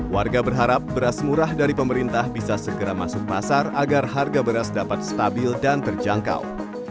warga berharap beras murah dari pemerintah bisa segera masuk pasar agar harga beras dapat stabil dan terjangkau